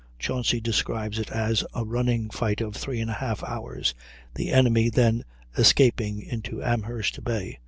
Chauncy describes it as a running fight of 3 1/2 hours, the enemy then escaping into Amherst Bay.